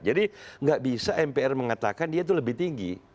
jadi nggak bisa mpr mengatakan dia itu lebih tinggi